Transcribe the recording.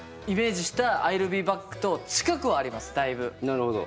なるほど。